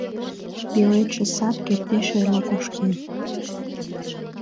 Пеледше сад кертеш эрла кошкен.